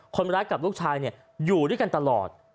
คนร้ายกับลูกชายอยู่ด้วยกันตลอด